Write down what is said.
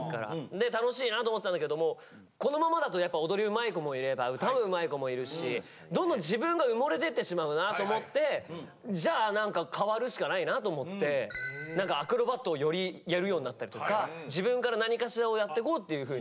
で楽しいなと思ってたんだけどもこのままだと踊りうまい子もいれば歌もうまい子もいるしどんどん自分が埋もれてってしまうなと思ってじゃあ何か変わるしかないなと思って何かアクロバットをよりやるようになったりとか自分から何かしらをやってこうっていうふうに。